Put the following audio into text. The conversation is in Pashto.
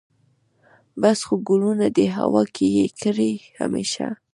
بس خو ګلونه دي هوا کې یې کرې همیشه